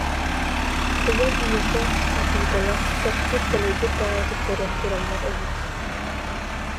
Аттыгар ийэтэ, учуутала сөхпүт, кэлэйбит баҕайытык көрөн тураллар эбит